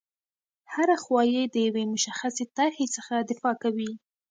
هره خوا یې د یوې مشخصې طرحې څخه دفاع کوي.